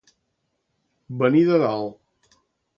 Venir de dalt.